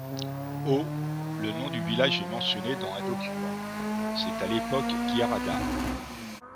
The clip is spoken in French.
Au le nom du village est mentionné dans un document, c'est à l'époque Guiarrada.